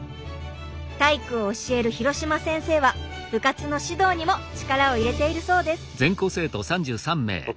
体育を教える廣島先生は部活の指導にも力を入れているそうです。